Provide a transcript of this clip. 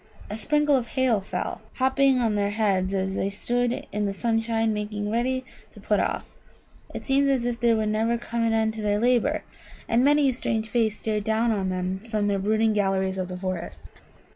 A sprinkle of hail fell, hopping on their heads as they stood in the sunshine making ready to put off. It seemed as if there would never come an end to their labour, and many a strange face stared down on them from the brooding galleries of the forest.